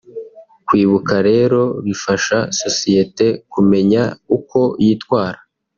Kwibuka rero bifasha sosiyete kumenya uko yitwara